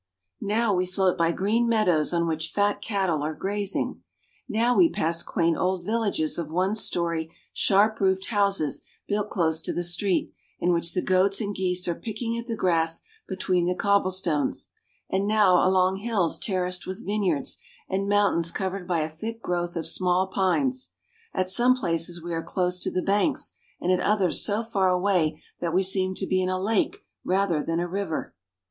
Now we float by green meadows on which fat cattle are grazing. Now we pass quaint old villages of one story sharp roofed . houses built close to the street, in which the goats and geese are picking at the grass between the cobble stones ; and now along hills terraced with vineyards, and mountains covered by a thick growth of small pines. At some places we are close to the banks, and at others so far away that we seem to be in a lake rather than a river.